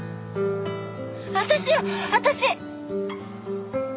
私よ私！